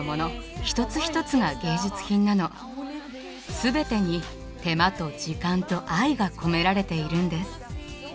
全てに手間と時間と愛が込められているんです。